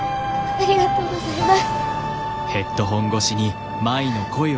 ありがとうございます。